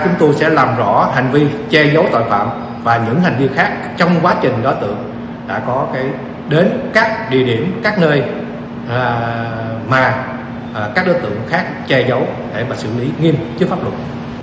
chúng tôi sẽ làm rõ hành vi che giấu tội phạm và những hành vi khác trong quá trình đối tượng đã có đến các địa điểm các nơi mà các đối tượng khác che giấu để xử lý nghiêm trước pháp luật